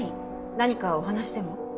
何かお話でも？